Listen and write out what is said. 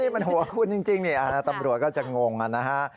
นี่มันหัวขุนจริงนี่ตำรวจก็จะงงอ่ะนะฮะ